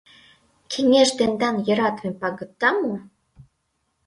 — Кеҥеж тендан йӧратыме пагытда мо?